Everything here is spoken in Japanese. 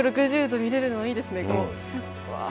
３６０度見れるのがいいですね！